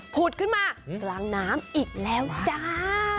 ผุดขึ้นมากลางน้ำอีกแล้วจ้า